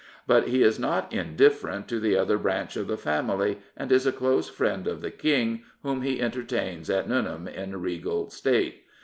But he is not indifferent to the other branch of the family, and is a close friend of the King, whom he entertains at Nuneham in regal state.